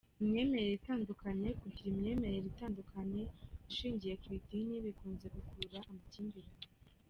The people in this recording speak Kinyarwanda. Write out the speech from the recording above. Imyemerere itandukanye : Kugira imyemerere itandukanye ishingiye ku idini, bikunze gukurura amakimbirane.